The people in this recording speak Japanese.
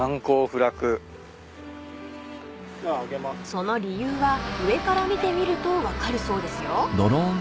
［その理由は上から見てみると分かるそうですよ］